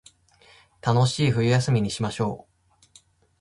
楽しい冬休みにしましょう